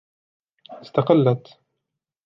استقلت.